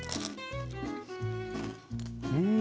うん！